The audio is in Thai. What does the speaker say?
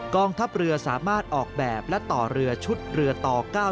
กองทัพเรือสามารถออกแบบและต่อเรือชุดเรือต่อ๙